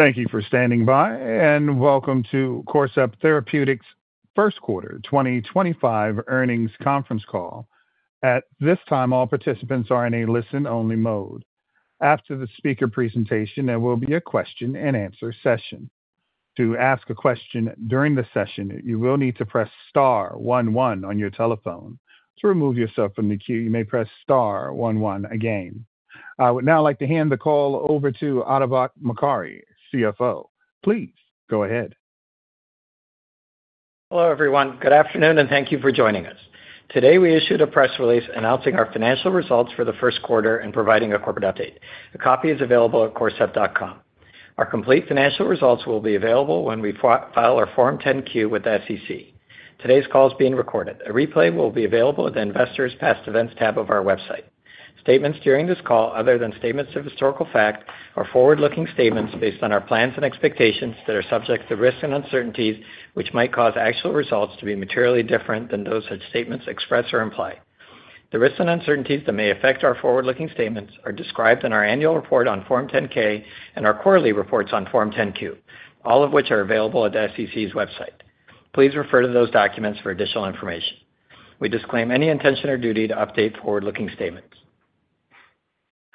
Thank you for standing by, and welcome to Corcept Therapeutics' first quarter 2025 earnings conference call. At this time, all participants are in a listen-only mode. After the speaker presentation, there will be a question-and-answer session. To ask a question during the session, you will need to press star one one on your telephone. To remove yourself from the queue, you may press star one one again. I would now like to hand the call over to Atabak Mokari, CFO. Please go ahead. Hello, everyone. Good afternoon, and thank you for joining us. Today, we issued a press release announcing our financial results for the first quarter and providing a corporate update. A copy is available at corcept.com. Our complete financial results will be available when we file our Form 10-Q with SEC. Today's call is being recorded. A replay will be available at the Investors Past Events tab of our website. Statements during this call, other than statements of historical fact, are forward-looking statements based on our plans and expectations that are subject to the risks and uncertainties which might cause actual results to be materially different than those such statements express or imply. The risks and uncertainties that may affect our forward-looking statements are described in our annual report on Form 10-K and our quarterly reports on Form 10-Q, all of which are available at SEC's website. Please refer to those documents for additional information. We disclaim any intention or duty to update forward-looking statements.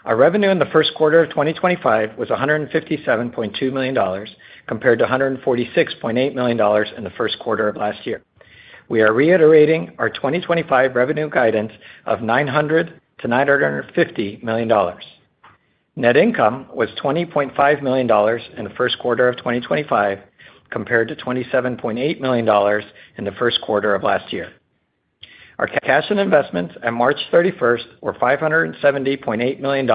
Our revenue in the first quarter of 2025 was $157.2 million compared to $146.8 million in the first quarter of last year. We are reiterating our 2025 revenue guidance of $900-$950 million. Net income was $20.5 million in the first quarter of 2025 compared to $27.8 million in the first quarter of last year. Our cash and investments on March 31st were $570.8 million.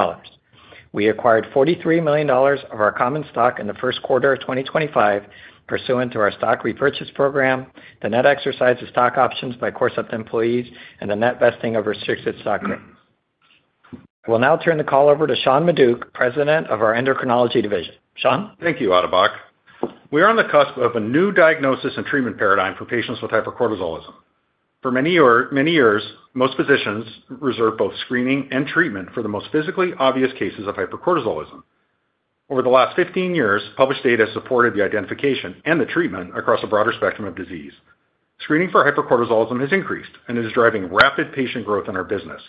We acquired $43 million of our common stock in the first quarter of 2025 pursuant to our stock repurchase program, the net exercise of stock options by Corcept employees, and the net vesting of restricted stock. I will now turn the call over to Sean Maduck, President of our Endocrinology Division. Sean. Thank you, Atabak. We are on the cusp of a new diagnosis and treatment paradigm for patients with hypercortisolism. For many years, most physicians reserved both screening and treatment for the most physically obvious cases of hypercortisolism. Over the last 15 years, published data has supported the identification and the treatment across a broader spectrum of disease. Screening for hypercortisolism has increased and is driving rapid patient growth in our business.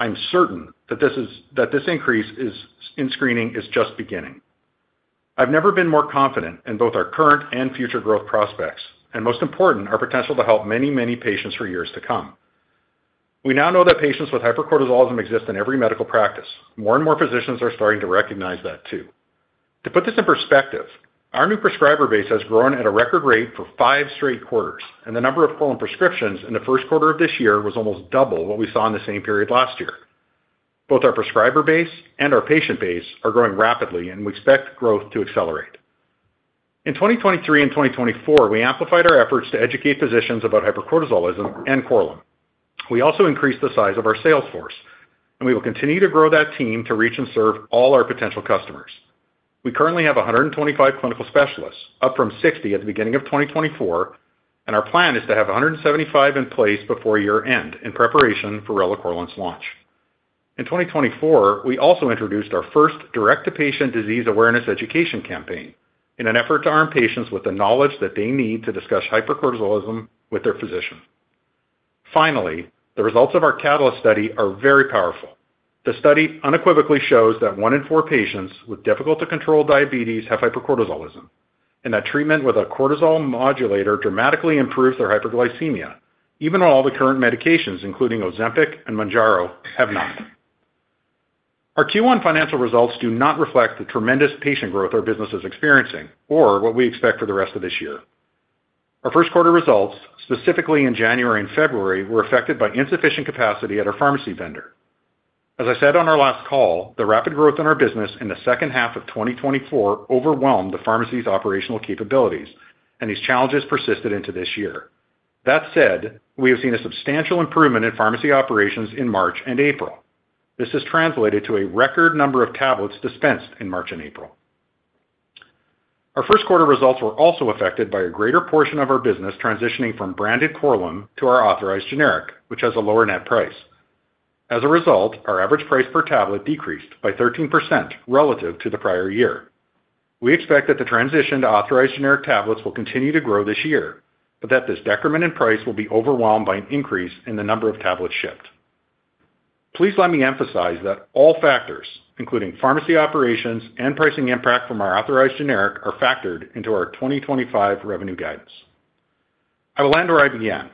I'm certain that this increase in screening is just beginning. I've never been more confident in both our current and future growth prospects, and most important, our potential to help many, many patients for years to come. We now know that patients with hypercortisolism exist in every medical practice. More and more physicians are starting to recognize that too. To put this in perspective, our new prescriber base has grown at a record rate for five straight quarters, and the number of Korlym prescriptions in the first quarter of this year was almost double what we saw in the same period last year. Both our prescriber base and our patient base are growing rapidly, and we expect growth to accelerate. In 2023 and 2024, we amplified our efforts to educate physicians about hypercortisolism and Korlym. We also increased the size of our sales force, and we will continue to grow that team to reach and serve all our potential customers. We currently have 125 clinical specialists, up from 60 at the beginning of 2024, and our plan is to have 175 in place before year-end in preparation for relacorilant's launch. In 2024, we also introduced our first direct-to-patient disease awareness education campaign in an effort to arm patients with the knowledge that they need to discuss hypercortisolism with their physician. Finally, the results of our CATALYST study are very powerful. The study unequivocally shows that one in four patients with difficult-to-control diabetes have hypercortisolism, and that treatment with a cortisol modulator dramatically improves their hyperglycemia, even while all the current medications, including Ozempic and Mounjaro, have not. Our Q1 financial results do not reflect the tremendous patient growth our business is experiencing or what we expect for the rest of this year. Our first quarter results, specifically in January and February, were affected by insufficient capacity at our pharmacy vendor. As I said on our last call, the rapid growth in our business in the second half of 2024 overwhelmed the pharmacy's operational capabilities, and these challenges persisted into this year. That said, we have seen a substantial improvement in pharmacy operations in March and April. This has translated to a record number of tablets dispensed in March and April. Our first quarter results were also affected by a greater portion of our business transitioning from branded Korlym to our authorized generic, which has a lower net price. As a result, our average price per tablet decreased by 13% relative to the prior year. We expect that the transition to authorized generic tablets will continue to grow this year, but that this decrement in price will be overwhelmed by an increase in the number of tablets shipped. Please let me emphasize that all factors, including pharmacy operations and pricing impact from our authorized generic, are factored into our 2025 revenue guidance. I will end where I began.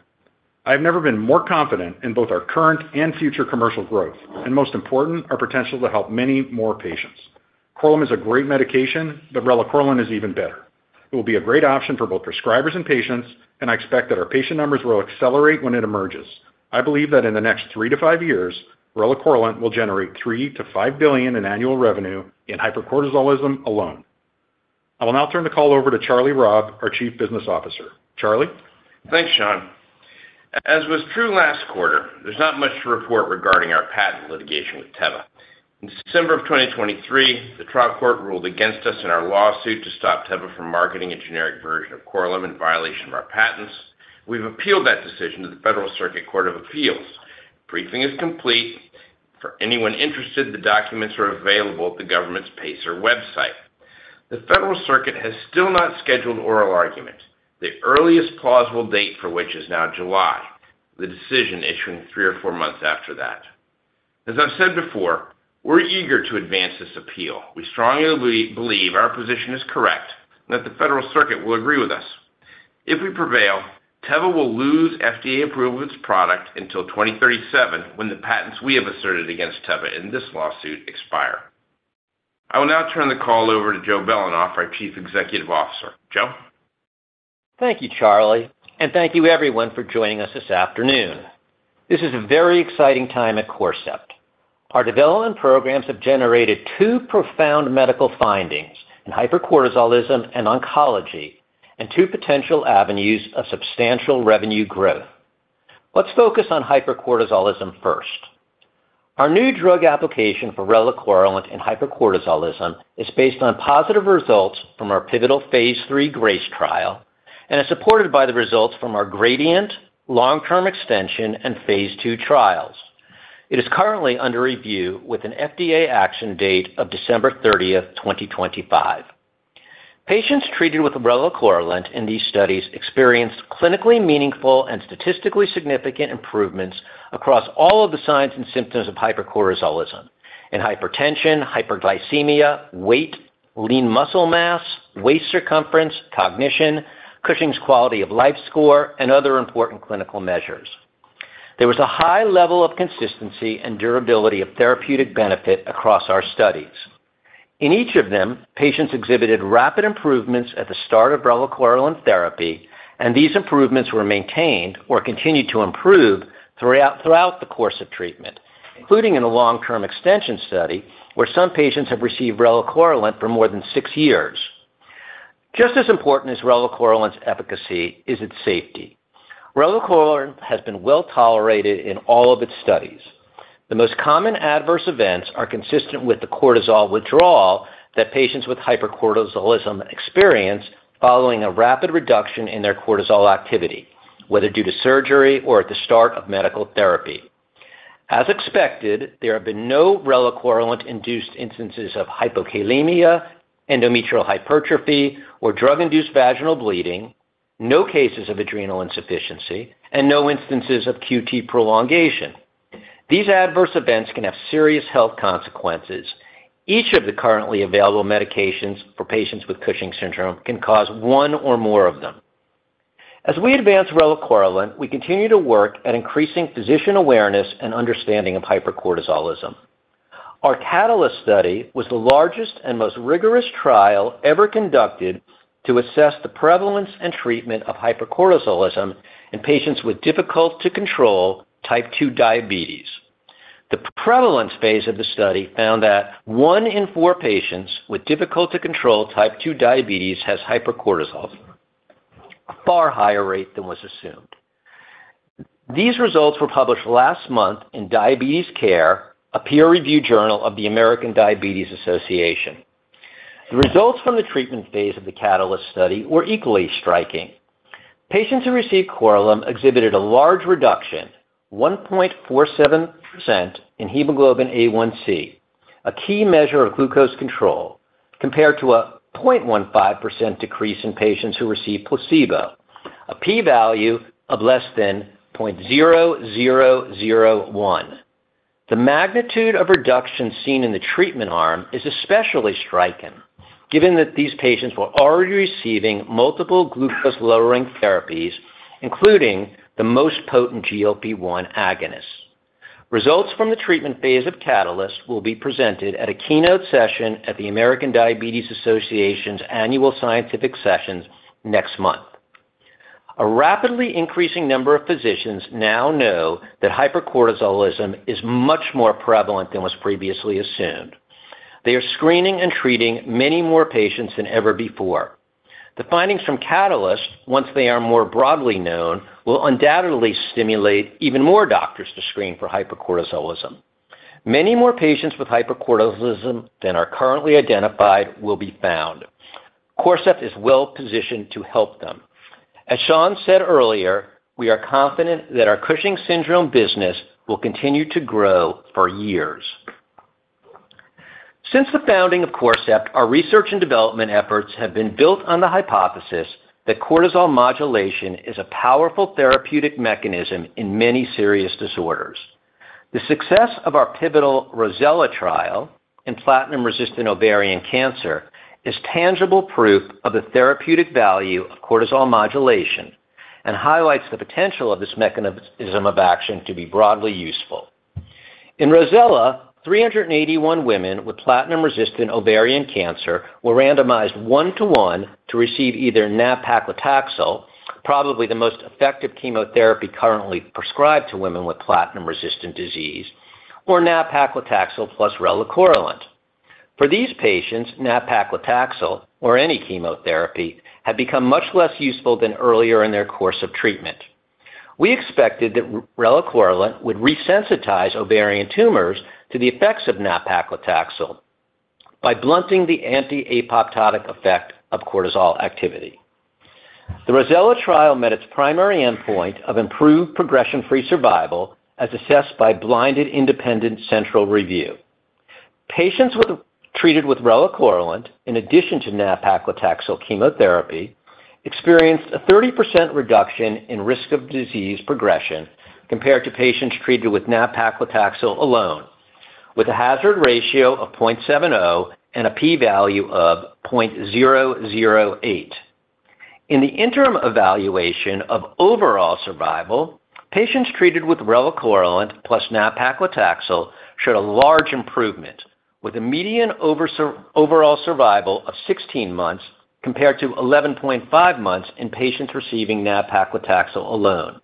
I have never been more confident in both our current and future commercial growth, and most important, our potential to help many more patients. Korlym is a great medication, but relacorilant is even better. It will be a great option for both prescribers and patients, and I expect that our patient numbers will accelerate when it emerges. I believe that in the next three to five years, relacorilant will generate $3 billion-$5 billion in annual revenue in hypercortisolism alone. I will now turn the call over to Charlie Robb, our Chief Business Officer. Charlie. Thanks, Sean. As was true last quarter, there's not much to report regarding our patent litigation with Teva. In December of 2023, the trial court ruled against us in our lawsuit to stop Teva from marketing a generic version of Korlym in violation of our patents. We've appealed that decision to the Federal Circuit Court of Appeals. Briefing is complete. For anyone interested, the documents are available at the government's PACER website. The Federal Circuit has still not scheduled oral argument. The earliest plausible date for which is now July, with a decision issuing three or four months after that. As I've said before, we're eager to advance this appeal. We strongly believe our position is correct and that the Federal Circuit will agree with us. If we prevail, Teva will lose FDA approval of its product until 2037 when the patents we have asserted against Teva in this lawsuit expire. I will now turn the call over to Joe Belanoff, our Chief Executive Officer. Joe? Thank you, Charlie, and thank you, everyone, for joining us this afternoon. This is a very exciting time at Corcept. Our development programs have generated two profound medical findings in hypercortisolism and oncology and two potential avenues of substantial revenue growth. Let's focus on hypercortisolism first. Our new drug application for relacorilant in hypercortisolism is based on positive results from our pivotal phase III GRACE trial and is supported by the results from our GRADIENT, long-term extension, and Phase II trials. It is currently under review with an FDA action date of December 30, 2025. Patients treated with relacorilant in these studies experienced clinically meaningful and statistically significant improvements across all of the signs and symptoms of hypercortisolism in hypertension, hyperglycemia, weight, lean muscle mass, waist circumference, cognition, Cushing's quality of life score, and other important clinical measures. There was a high level of consistency and durability of therapeutic benefit across our studies. In each of them, patients exhibited rapid improvements at the start of relacorilant therapy, and these improvements were maintained or continued to improve throughout the course of treatment, including in a long-term extension study where some patients have received relacorilant for more than six years. Just as important as relacorilant's efficacy is its safety. Relacorilant has been well tolerated in all of its studies. The most common adverse events are consistent with the cortisol withdrawal that patients with hypercortisolism experience following a rapid reduction in their cortisol activity, whether due to surgery or at the start of medical therapy. As expected, there have been no relacorilant-induced instances of hypokalemia, endometrial hypertrophy, or drug-induced vaginal bleeding, no cases of adrenal insufficiency, and no instances of QT prolongation. These adverse events can have serious health consequences. Each of the currently available medications for patients with Cushing's syndrome can cause one or more of them. As we advance relacorilant, we continue to work at increasing physician awareness and understanding of hypercortisolism. Our CATALYST study was the largest and most rigorous trial ever conducted to assess the prevalence and treatment of hypercortisolism in patients with difficult-to-control type 2 diabetes. The prevalence phase of the study found that one in four patients with difficult-to-control type 2 diabetes has hypercortisolism, a far higher rate than was assumed. These results were published last month in Diabetes Care, a peer-reviewed journal of the American Diabetes Association. The results from the treatment phase of the CATALYST study were equally striking. Patients who received relacorilant exhibited a large reduction, 1.47%, in hemoglobin A1c, a key measure of glucose control, compared to a 0.15% decrease in patients who received placebo, a p-value of less than 0.0001. The magnitude of reduction seen in the treatment arm is especially striking, given that these patients were already receiving multiple glucose-lowering therapies, including the most potent GLP-1 agonist. Results from the treatment phase of CATALYST will be presented at a keynote session at the American Diabetes Association's annual scientific sessions next month. A rapidly increasing number of physicians now know that hypercortisolism is much more prevalent than was previously assumed. They are screening and treating many more patients than ever before. The findings from CATALYST, once they are more broadly known, will undoubtedly stimulate even more doctors to screen for hypercortisolism. Many more patients with hypercortisolism than are currently identified will be found. Corcept is well positioned to help them. As Sean said earlier, we are confident that our Cushing's syndrome business will continue to grow for years. Since the founding of Corcept, our research and development efforts have been built on the hypothesis that cortisol modulation is a powerful therapeutic mechanism in many serious disorders. The success of our pivotal ROSELLA trial in platinum-resistant ovarian cancer is tangible proof of the therapeutic value of cortisol modulation and highlights the potential of this mechanism of action to be broadly useful. In ROSELLA, 381 women with platinum-resistant ovarian cancer were randomized one-to-one to receive either nab-paclitaxel, probably the most effective chemotherapy currently prescribed to women with platinum-resistant disease, or nab-paclitaxel plus relacorilant. For these patients, nab-paclitaxel or any chemotherapy had become much less useful than earlier in their course of treatment. We expected that relacorilant would resensitize ovarian tumors to the effects of nab-paclitaxel by blunting the anti-apoptotic effect of cortisol activity. The ROSELLA trial met its primary endpoint of improved progression-free survival as assessed by Blinded Independent Central Review. Patients treated with relacorilant, in addition to nab-paclitaxel chemotherapy, experienced a 30% reduction in risk of disease progression compared to patients treated with nab-paclitaxel alone, with a hazard ratio of 0.70 and a p-value of 0.008. In the interim evaluation of overall survival, patients treated with relacorilant plus nab-paclitaxel showed a large improvement, with a median overall survival of 16 months compared to 11.5 months in patients receiving nab-paclitaxel alone.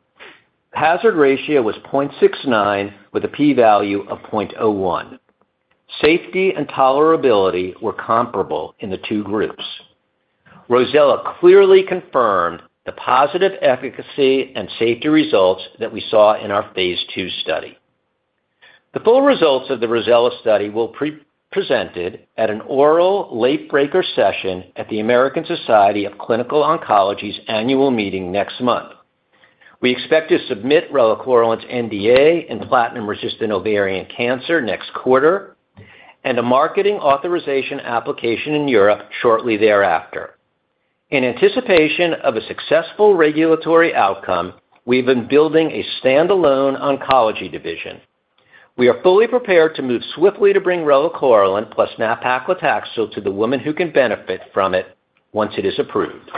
Hazard ratio was 0.69, with a p-value of 0.01. Safety and tolerability were comparable in the two groups. ROSELLA clearly confirmed the positive efficacy and safety results that we saw in our Phase II study. The full results of the ROSELLA study will be presented at an oral late-breaker session at the American Society of Clinical Oncology's annual meeting next month. We expect to submit relacorilant's NDA in platinum-resistant ovarian cancer next quarter and a marketing authorization application in Europe shortly thereafter. In anticipation of a successful regulatory outcome, we have been building a standalone oncology division. We are fully prepared to move swiftly to bring relacorilant plus nab-paclitaxel to the women who can benefit from it once it is approved.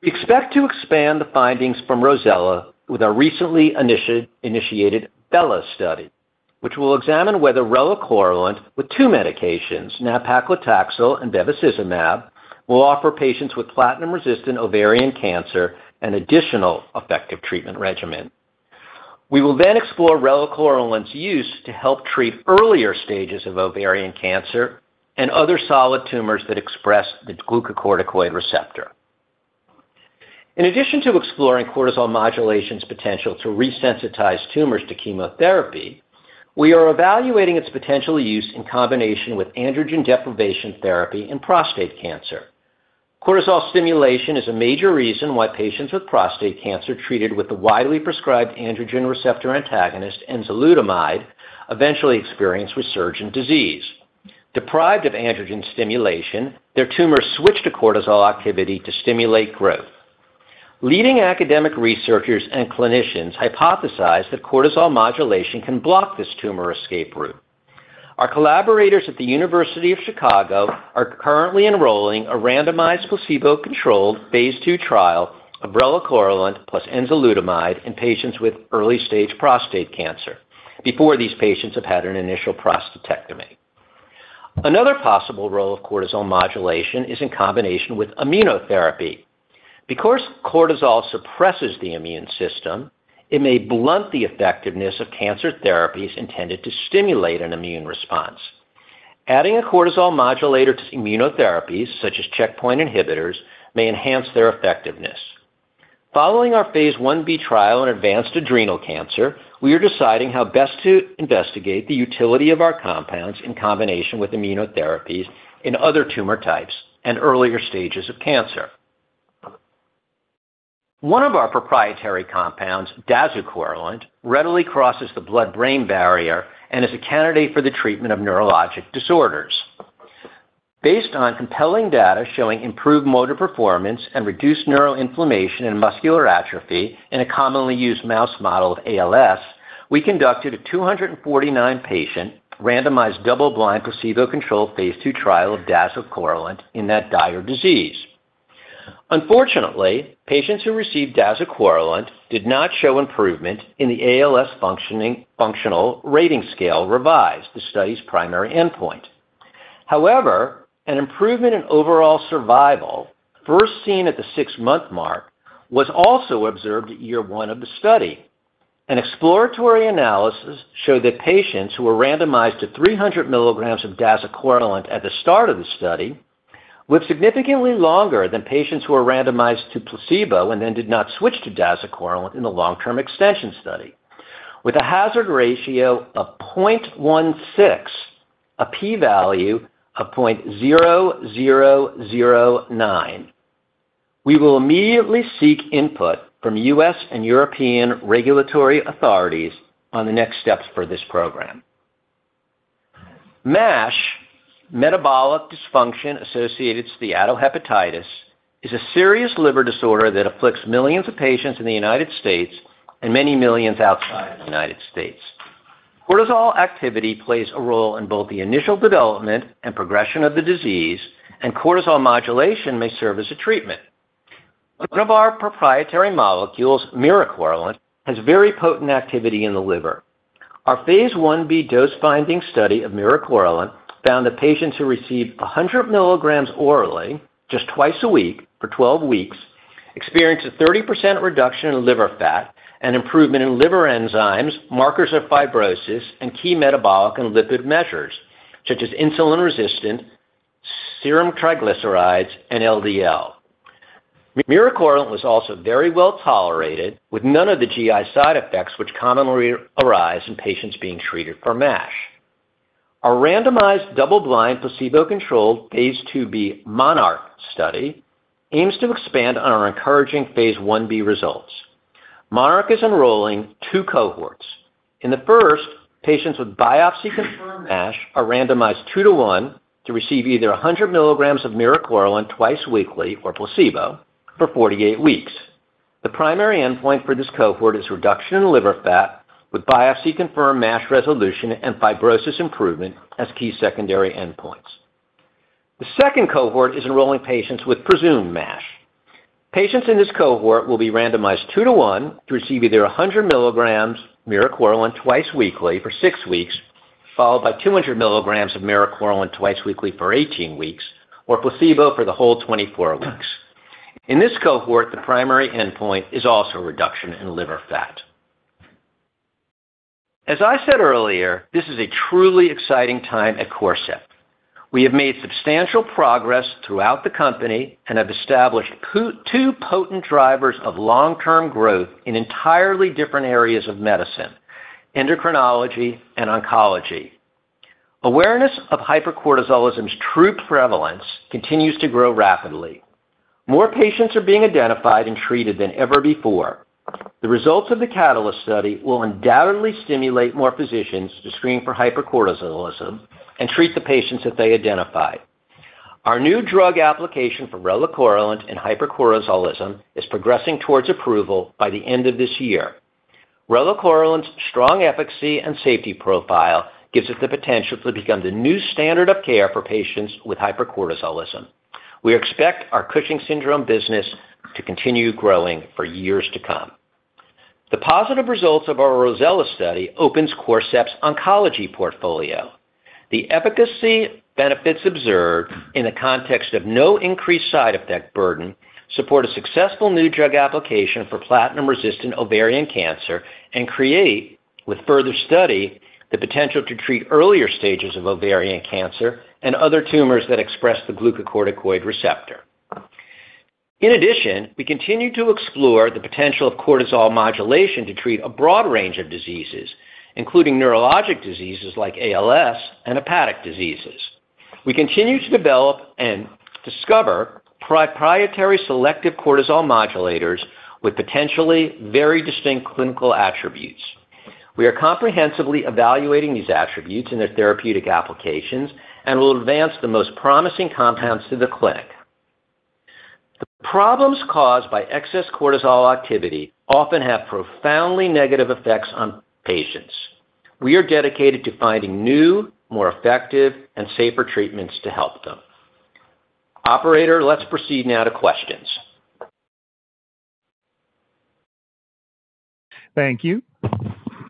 We expect to expand the findings from ROSELLA with our recently initiated BELLA study, which will examine whether relacorilant with two medications, nab-paclitaxel and bevacizumab, will offer patients with platinum-resistant ovarian cancer an additional effective treatment regimen. We will then explore relacorilant's use to help treat earlier stages of ovarian cancer and other solid tumors that express the glucocorticoid receptor. In addition to exploring cortisol modulation's potential to resensitize tumors to chemotherapy, we are evaluating its potential use in combination with androgen deprivation therapy in prostate cancer. Cortisol stimulation is a major reason why patients with prostate cancer treated with the widely prescribed androgen receptor antagonist, enzalutamide, eventually experience resurgent disease. Deprived of androgen stimulation, their tumors switch to cortisol activity to stimulate growth. Leading academic researchers and clinicians hypothesize that cortisol modulation can block this tumor escape route. Our collaborators at the University of Chicago are currently enrolling a randomized placebo-controlled phase II trial of relacorilant plus enzalutamide in patients with early-stage prostate cancer before these patients have had an initial prostatectomy. Another possible role of cortisol modulation is in combination with immunotherapy. Because cortisol suppresses the immune system, it may blunt the effectiveness of cancer therapies intended to stimulate an immune response. Adding a cortisol modulator to immunotherapies, such as checkpoint inhibitors, may enhance their effectiveness. Following our phase IB trial in advanced adrenal cancer, we are deciding how best to investigate the utility of our compounds in combination with immunotherapies in other tumor types and earlier stages of cancer. One of our proprietary compounds, dazucorilant, readily crosses the blood-brain barrier and is a candidate for the treatment of neurologic disorders. Based on compelling data showing improved motor performance and reduced neuroinflammation and muscular atrophy in a commonly used mouse model of ALS, we conducted a 249-patient randomized double-blind placebo-controlled phase II trial of dazucorilant in that dire disease. Unfortunately, patients who received dazucorilant did not show improvement in the ALS Functional Rating Scale-Revised, the study's primary endpoint. However, an improvement in overall survival, first seen at the six-month mark, was also observed at year one of the study. An exploratory analysis showed that patients who were randomized to 300 milligrams of dazucorilant at the start of the study lived significantly longer than patients who were randomized to placebo and then did not switch to dazucorilant in the long-term extension study, with a hazard ratio of 0.16, a p-value of 0.0009. We will immediately seek input from U.S. and European regulatory authorities on the next steps for this program. MASH, metabolic dysfunction associated with steatohepatitis, is a serious liver disorder that afflicts millions of patients in the United States and many millions outside of the United States. Cortisol activity plays a role in both the initial development and progression of the disease, and cortisol modulation may serve as a treatment. One of our proprietary molecules, miricorilant, has very potent activity in the liver. Our phase IB dose-finding study of miricorilant found that patients who received 100 milligrams orally, just twice a week for 12 weeks, experienced a 30% reduction in liver fat and improvement in liver enzymes, markers of fibrosis, and key metabolic and lipid measures, such as insulin-resistant serum triglycerides and LDL. Miricorilant was also very well tolerated, with none of the GI side effects which commonly arise in patients being treated for MASH. Our randomized double-blind placebo-controlled phase IIB Monarch study aims to expand on our encouraging phase IB results. Monarch is enrolling two cohorts. In the first, patients with biopsy-confirmed MASH are randomized two-to-one to receive either 100 milligrams of miricorilant twice weekly or placebo for 48 weeks. The primary endpoint for this cohort is reduction in liver fat with biopsy-confirmed MASH resolution and fibrosis improvement as key secondary endpoints. The second cohort is enrolling patients with presumed MASH. Patients in this cohort will be randomized two-to-one to receive either 100 milligrams of miricorilant twice weekly for six weeks, followed by 200 milligrams of miricorilant twice weekly for 18 weeks, or placebo for the whole 24 weeks. In this cohort, the primary endpoint is also reduction in liver fat. As I said earlier, this is a truly exciting time at Corcept. We have made substantial progress throughout the company and have established two potent drivers of long-term growth in entirely different areas of medicine: endocrinology and oncology. Awareness of hypercortisolism's true prevalence continues to grow rapidly. More patients are being identified and treated than ever before. The results of the CATALYST study will undoubtedly stimulate more physicians to screen for hypercortisolism and treat the patients that they identified. Our new drug application for relacorilant in hypercortisolism is progressing towards approval by the end of this year. Relacorilant's strong efficacy and safety profile gives it the potential to become the new standard of care for patients with hypercortisolism. We expect our Cushing's syndrome business to continue growing for years to come. The positive results of our ROSELLA study open Corcept's oncology portfolio. The efficacy benefits observed in the context of no increased side effect burden support a successful new drug application for platinum-resistant ovarian cancer and create, with further study, the potential to treat earlier stages of ovarian cancer and other tumors that express the glucocorticoid receptor. In addition, we continue to explore the potential of cortisol modulation to treat a broad range of diseases, including neurologic diseases like ALS and hepatic diseases. We continue to develop and discover proprietary selective cortisol modulators with potentially very distinct clinical attributes. We are comprehensively evaluating these attributes in their therapeutic applications and will advance the most promising compounds to the clinic. The problems caused by excess cortisol activity often have profoundly negative effects on patients. We are dedicated to finding new, more effective, and safer treatments to help them. Operator, let's proceed now to questions. Thank you.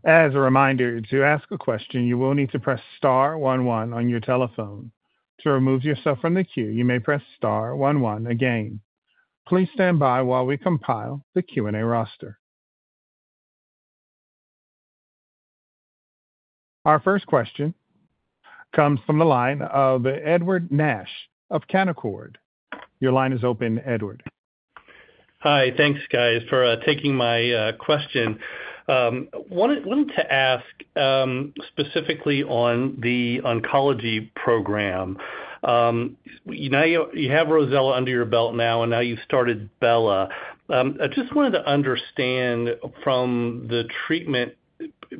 As a reminder, to ask a question, you will need to press star one one on your telephone. To remove yourself from the queue, you may press star one one again. Please stand by while we compile the Q&A roster. Our first question comes from the line of Edward Nash of Canaccord. Your line is open, Edward. Hi. Thanks, guys, for taking my question. I wanted to ask specifically on the oncology program. You have ROSELLA under your belt now, and now you've started BELLA. I just wanted to understand, from the treatment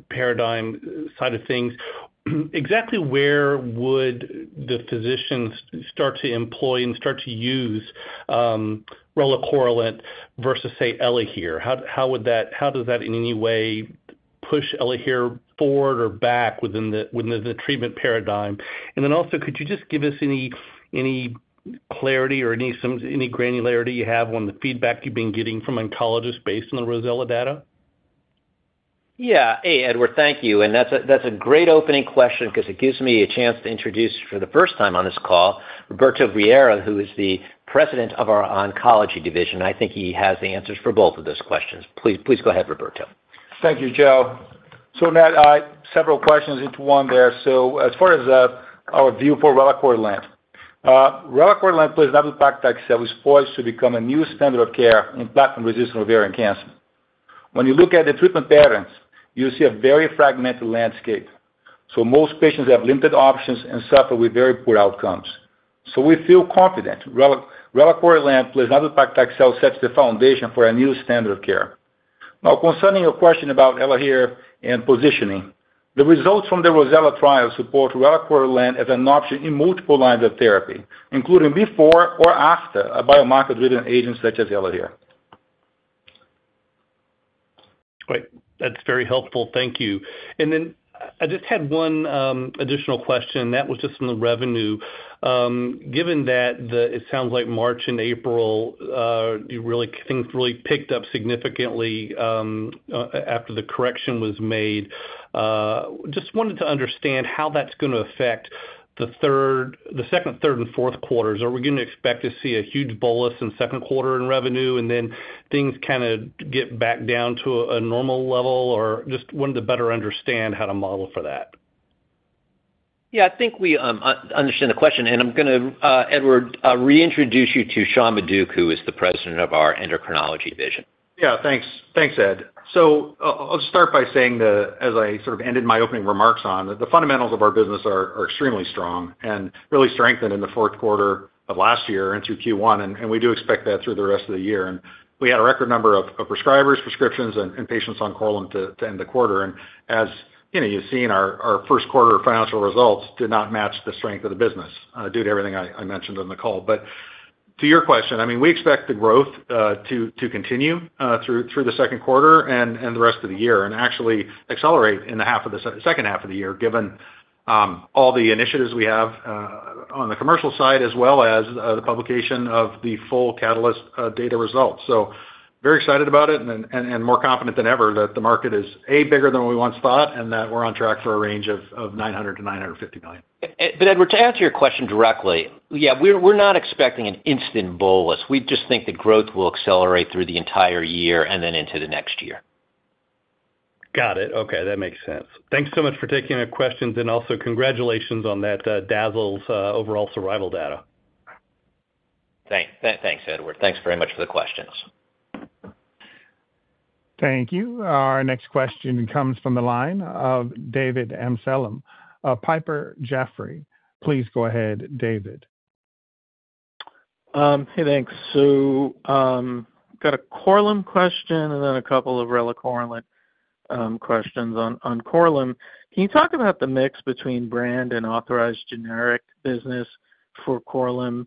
paradigm side of things, exactly where would the physicians start to employ and start to use relacorilant versus, say, Elahere? How does that in any way push Elahere forward or back within the treatment paradigm? Also, could you just give us any clarity or any granularity you have on the feedback you've been getting from oncologists based on the ROSELLA data? Yeah. Hey, Edward, thank you. That is a great opening question because it gives me a chance to introduce for the first time on this call Roberto Vieira, who is the President of our Oncology Division. I think he has the answers for both of those questions. Please go ahead, Roberto. Thank you, Joe. Now several questions into one there. As far as our view for relacorilant, relacorilant plays another impact that excels for us to become a new standard of care in platinum-resistant ovarian cancer. When you look at the treatment patterns, you see a very fragmented landscape. Most patients have limited options and suffer with very poor outcomes. We feel confident relacorilant plays another impact that excels such as the foundation for a new standard of care. Now, concerning your question about Elahere and positioning, the results from the ROSELLA trial support relacorilant as an option in multiple lines of therapy, including before or after a biomarker-driven agent such as Elahere. Great. That's very helpful. Thank you. I just had one additional question. That was just on the revenue. Given that it sounds like March and April, things really picked up significantly after the correction was made, just wanted to understand how that's going to affect the second, third, and fourth quarters. Are we going to expect to see a huge bolus in second quarter in revenue, and then things kind of get back down to a normal level? Just wanted to better understand how to model for that. Yeah. I think we understand the question. I'm going to, Edward, reintroduce you to Sean Maduck, who is the President of our Endocrinology Division. Yeah. Thanks, Ed. I'll just start by saying, as I sort of ended my opening remarks on, that the fundamentals of our business are extremely strong and really strengthened in the fourth quarter of last year into Q1. We do expect that through the rest of the year. We had a record number of prescribers, prescriptions, and patients on Korlym to end the quarter. As you've seen, our first quarter financial results did not match the strength of the business due to everything I mentioned on the call. To your question, I mean, we expect the growth to continue through the second quarter and the rest of the year and actually accelerate in the second half of the year, given all the initiatives we have on the commercial side as well as the publication of the full CATALYST data results. Very excited about it and more confident than ever that the market is, A, bigger than we once thought, and that we're on track for a range of $900 million-$950 million. Edward, to answer your question directly, yeah, we're not expecting an instant bolus. We just think the growth will accelerate through the entire year and then into the next year. Got it. Okay. That makes sense. Thanks so much for taking our questions. Also, congratulations on that DAZALS overall survival data. Thanks, Edward. Thanks very much for the questions. Thank you. Our next question comes from the line of David Amsellem, Piper Sandler. Please go ahead, David. Hey, thanks. Got a Korlym question and then a couple of relacorilant questions. On Korlym, can you talk about the mix between brand and authorized generic business for Korlym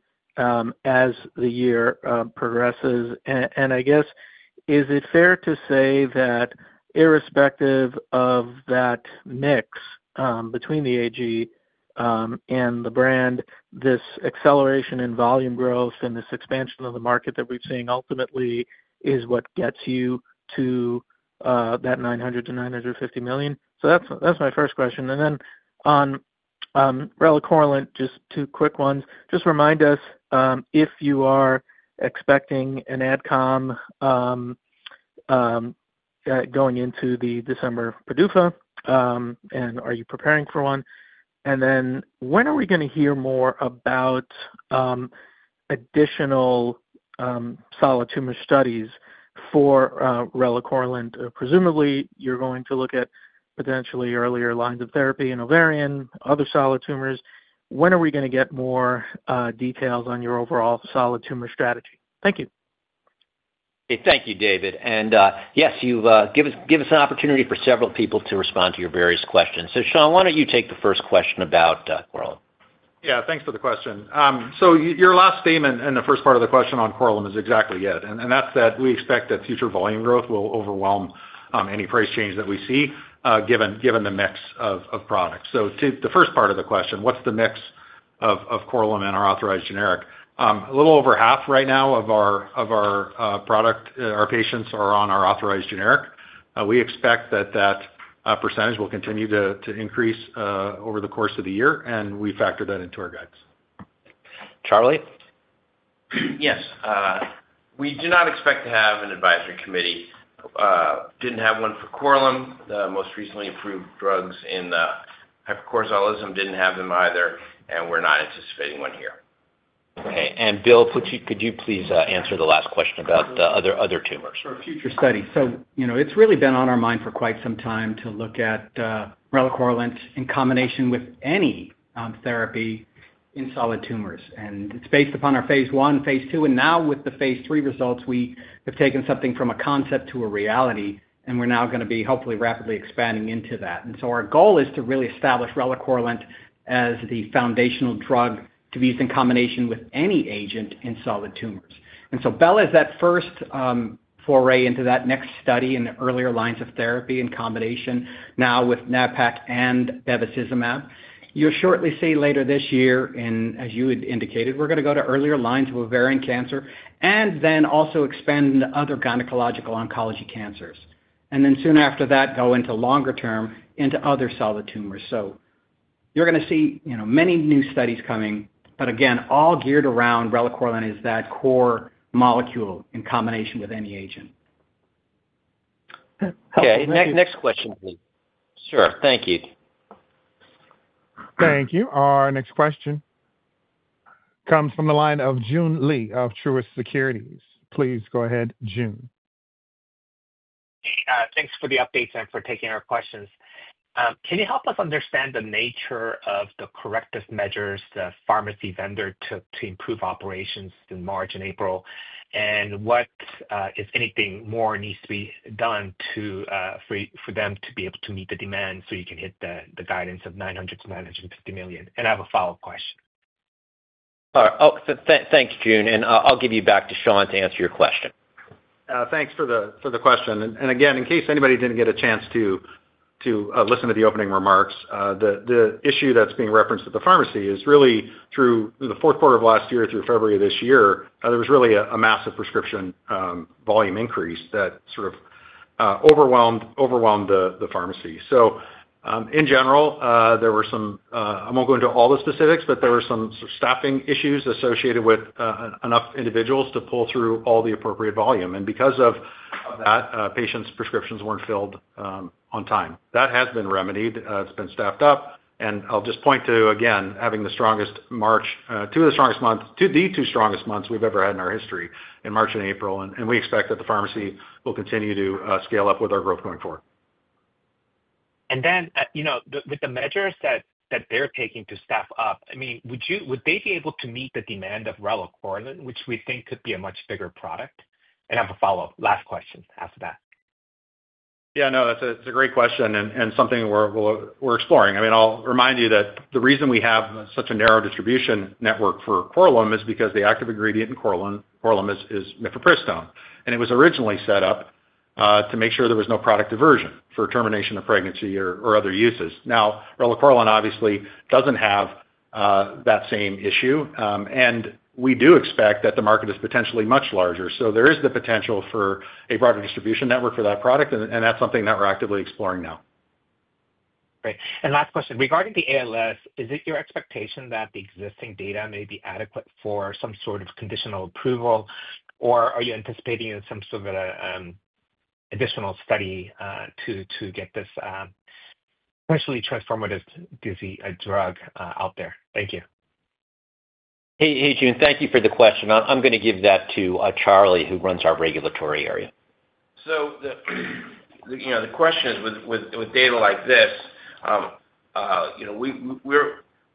as the year progresses? I guess, is it fair to say that irrespective of that mix between the AG and the brand, this acceleration in volume growth and this expansion of the market that we're seeing ultimately is what gets you to that $900 million-$950 million? That's my first question. Then on relacorilant, just two quick ones. Just remind us if you are expecting an AdCom going into the December PDUFA, and are you preparing for one? When are we going to hear more about additional solid tumor studies for relacorilant? Presumably, you're going to look at potentially earlier lines of therapy in ovarian, other solid tumors. When are we going to get more details on your overall solid tumor strategy? Thank you. Thank you, David. Yes, you've given us an opportunity for several people to respond to your various questions. Sean, why don't you take the first question about relacorilant? Yeah. Thanks for the question. Your last statement and the first part of the question on relacorilant is exactly it. We expect that future volume growth will overwhelm any price change that we see given the mix of products. To the first part of the question, what's the mix of Korlym and our authorized generic? A little over half right now of our product, our patients are on our authorized generic. We expect that that percentage will continue to increase over the course of the year, and we factor that into our guides. Charlie? Yes. We do not expect to have an advisory committee. Didn't have one for Korlym. The most recently approved drugs in hypercortisolism didn't have them either, and we're not anticipating one here. Okay. Bill, could you please answer the last question about the other tumors? For future studies. It's really been on our mind for quite some time to look at relacorilant in combination with any therapy in solid tumors. It is based upon our phase one, phase two, and now with the phase three results, we have taken something from a concept to a reality, and we are now going to be hopefully rapidly expanding into that. Our goal is to really establish relacorilant as the foundational drug to be used in combination with any agent in solid tumors. BELLA is that first foray into that next study in the earlier lines of therapy in combination now with nab-paclitaxel and bevacizumab. You will shortly see later this year, and as you had indicated, we are going to go to earlier lines of ovarian cancer and then also expand into other gynecological oncology cancers. Soon after that, we will go longer term into other solid tumors. You're going to see many new studies coming, but again, all geared around relacorilant as that core molecule in combination with any agent. Next question, please. Sure. Thank you. Thank you. Our next question comes from the line of Joon Lee of Truist Securities. Please go ahead, Joon. Hey, thanks for the updates and for taking our questions. Can you help us understand the nature of the corrective measures the pharmacy vendor took to improve operations in March and April, and what, if anything, more needs to be done for them to be able to meet the demand so you can hit the guidance of $900 million-$950 million? I have a follow-up question. All right. Oh, thanks, Joon. I'll give you back to Sean to answer your question. Thanks for the question. In case anybody did not get a chance to listen to the opening remarks, the issue that is being referenced at the pharmacy is really through the fourth quarter of last year, through February of this year, there was really a massive prescription volume increase that sort of overwhelmed the pharmacy. In general, there were some—I will not go into all the specifics—but there were some staffing issues associated with enough individuals to pull through all the appropriate volume. Because of that, patients' prescriptions were not filled on time. That has been remedied. It has been staffed up. I will just point to, again, having the strongest March—two of the strongest months—the two strongest months we have ever had in our history in March and April. We expect that the pharmacy will continue to scale up with our growth going forward. Then with the measures that they're taking to staff up, I mean, would they be able to meet the demand of relacorilant, which we think could be a much bigger product? I have a follow-up, last question after that. Yeah. No, that's a great question and something we're exploring. I mean, I'll remind you that the reason we have such a narrow distribution network for Korlym is because the active ingredient in Korlym is mifepristone. It was originally set up to make sure there was no product diversion for termination of pregnancy or other uses. Now, relacorilant obviously doesn't have that same issue. We do expect that the market is potentially much larger. There is the potential for a broader distribution network for that product, and that's something that we're actively exploring now. Great. Last question. Regarding the ALS, is it your expectation that the existing data may be adequate for some sort of conditional approval, or are you anticipating some sort of additional study to get this potentially transformative drug out there? Thank you. Hey, Joon. Thank you for the question. I'm going to give that to Charlie, who runs our regulatory area. The question is, with data like this,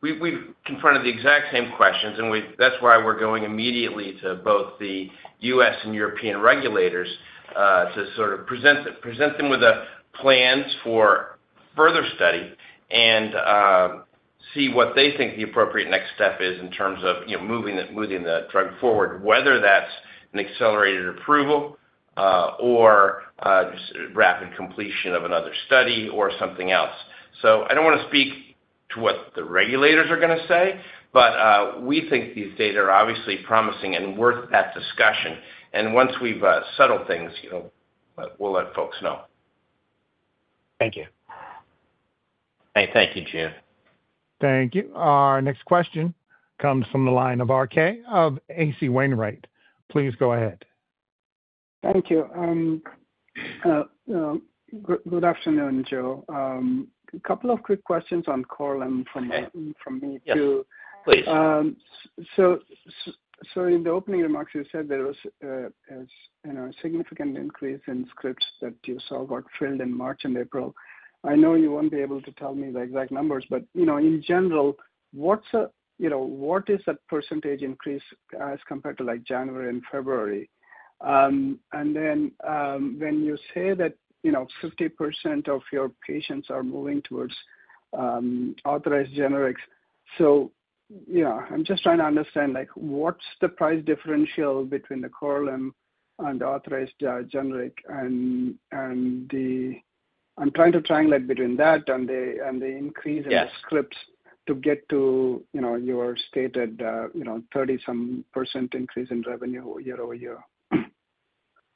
we've confronted the exact same questions. That's why we're going immediately to both the U.S. and European regulators to sort of present them with plans for further study and see what they think the appropriate next step is in terms of moving the drug forward, whether that's an accelerated approval or rapid completion of another study or something else. I don't want to speak to what the regulators are going to say, but we think these data are obviously promising and worth that discussion. Once we've settled things, we'll let folks know. Thank you. Thank you, Joon. Thank you. Our next question comes from the line of H.C. Wainwright. Please go ahead. Thank you. Good afternoon, Joe. A couple of quick questions on Korlym from me too. Yeah. Please. In the opening remarks, you said there was a significant increase in scripts that you saw got filled in March and April. I know you won't be able to tell me the exact numbers, but in general, what is that percentage increase as compared to January and February? When you say that 50% of your patients are moving towards authorized generics, I am just trying to understand what is the price differential between the Korlym and authorized generic? I am trying to triangulate between that and the increase in scripts to get to your stated 30-some percent increase in revenue year over year.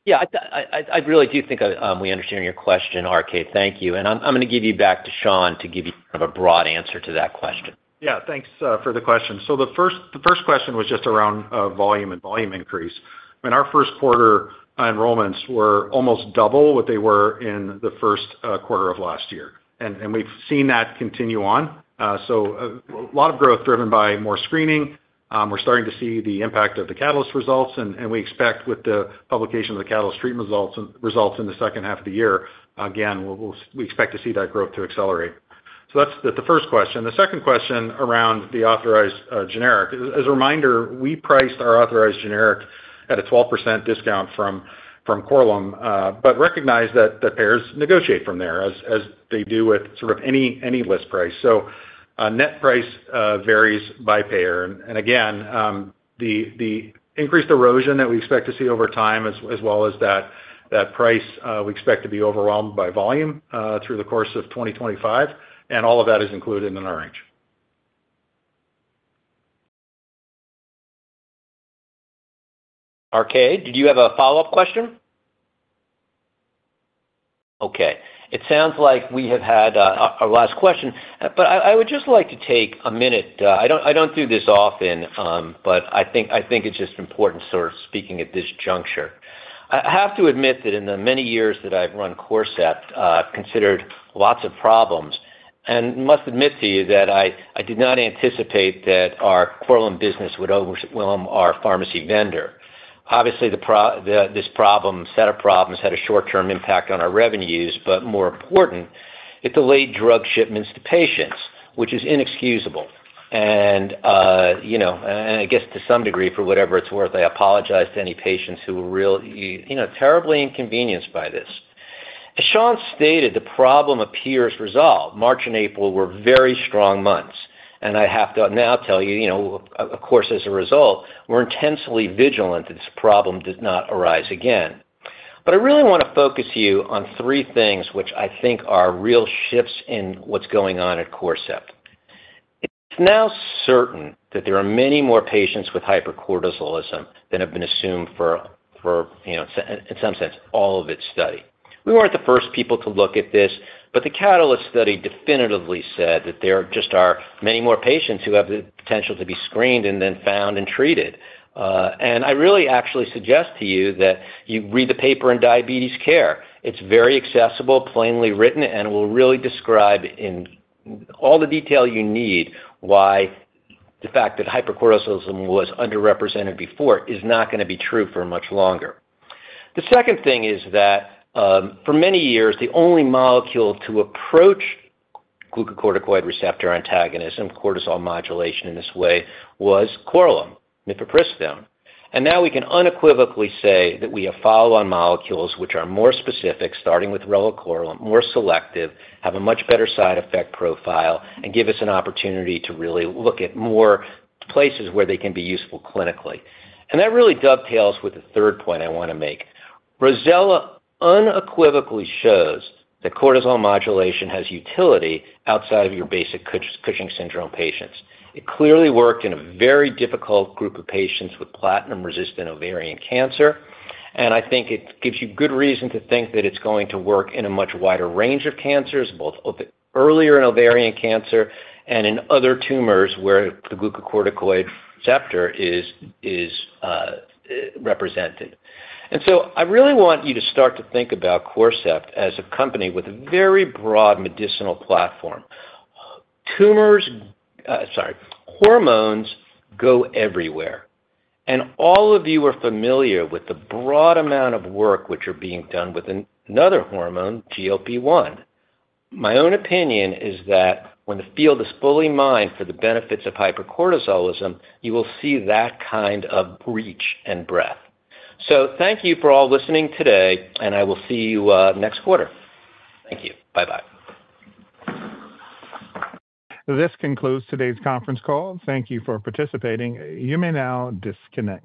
Yeah. I really do think we understand your question, RK. Thank you. I am going to give you back to Sean to give you kind of a broad answer to that question. Yeah. Thanks for the question. The first question was just around volume and volume increase. I mean, our first quarter enrollments were almost double what they were in the first quarter of last year. We have seen that continue on. A lot of growth is driven by more screening. We are starting to see the impact of the CATALYST results. We expect with the publication of the CATALYST treatment results in the second half of the year, again, we expect to see that growth to accelerate. That is the first question. The second question around the authorized generic, as a reminder, we priced our authorized generic at a 12% discount from Korlym, but recognize that payers negotiate from there as they do with any list price. Net price varies by payer. The increased erosion that we expect to see over time, as well as that price, we expect to be overwhelmed by volume through the course of 2025. All of that is included in our range. RK, did you have a follow-up question? It sounds like we have had our last question, but I would just like to take a minute. I don't do this often, but I think it's just important sort of speaking at this juncture. I have to admit that in the many years that I've run Corcept, I've considered lots of problems. I must admit to you that I did not anticipate that our Korlym business would overwhelm our pharmacy vendor. Obviously, this set of problems had a short-term impact on our revenues, but more important, it delayed drug shipments to patients, which is inexcusable. I guess to some degree, for whatever it's worth, I apologize to any patients who were terribly inconvenienced by this. As Sean stated, the problem appears resolved. March and April were very strong months. I have to now tell you, of course, as a result, we're intensely vigilant that this problem does not arise again. I really want to focus you on three things which I think are real shifts in what's going on at Corcept. It's now certain that there are many more patients with hypercortisolism than have been assumed for, in some sense, all of its study. We weren't the first people to look at this, but the CATALYST study definitively said that there just are many more patients who have the potential to be screened and then found and treated. I really actually suggest to you that you read the paper in Diabetes Care. It's very accessible, plainly written, and will really describe in all the detail you need why the fact that hypercortisolism was underrepresented before is not going to be true for much longer. The second thing is that for many years, the only molecule to approach glucocorticoid receptor antagonism, cortisol modulation in this way, was Korlym, mifepristone. We can unequivocally say that we have follow-on molecules which are more specific, starting with relacorilant, more selective, have a much better side effect profile, and give us an opportunity to really look at more places where they can be useful clinically. That really dovetails with the third point I want to make. ROSELLA unequivocally shows that cortisol modulation has utility outside of your basic Cushing's syndrome patients. It clearly worked in a very difficult group of patients with platinum-resistant ovarian cancer. I think it gives you good reason to think that it's going to work in a much wider range of cancers, both earlier in ovarian cancer and in other tumors where the glucocorticoid receptor is represented. I really want you to start to think about Corcept Therapeutics as a company with a very broad medicinal platform. Tumors—sorry—hormones go everywhere. All of you are familiar with the broad amount of work which is being done with another hormone, GLP-1. My own opinion is that when the field is fully mined for the benefits of hypercortisolism, you will see that kind of reach and breadth. Thank you for all listening today, and I will see you next quarter. Thank you. Bye-bye. This concludes today's conference call. Thank you for participating. You may now disconnect.